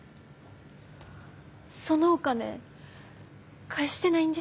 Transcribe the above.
そのお金返してないんですか？